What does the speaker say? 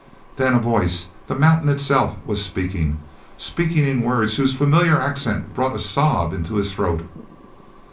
Then a voice—the mountain itself was speaking—speaking in words whose familiar accent brought a sob into his throat.